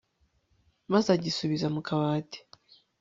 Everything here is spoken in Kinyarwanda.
maze agisubiza mu kabati